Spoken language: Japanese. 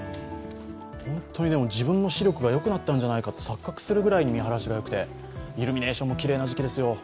本当に自分の視力がよくなったんじゃないかと錯覚するくらい見晴らしがよくて、イルミネーションがきれいな時期ですよ。